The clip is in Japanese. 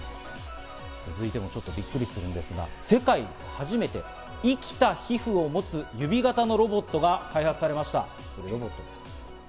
続いてもちょっとびっくりするんですが世界初めての生きた皮膚を持つ指型のロボットが開発されました。